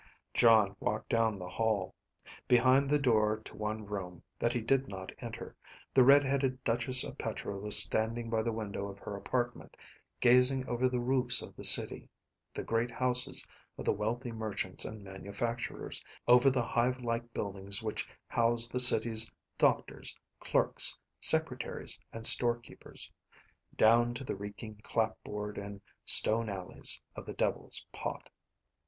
Jon walked down the hall. Behind the door to one room that he did not enter, the red headed Duchess of Petra was standing by the window of her apartment, gazing over the roofs of the city, the great houses of the wealthy merchants and manufacturers, over the hive like buildings which housed the city's doctors, clerks, secretaries, and storekeepers, down to the reeking clapboard and stone alleys of the Devil's Pot.